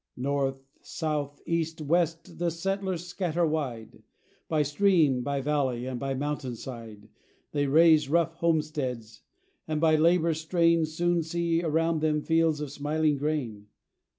North, south, east, west, the settlers scatter wide, By stream, by valley, and by mountain side. They raise rough homesteads, and by labour's strain Soon see around them fields of smiling grain.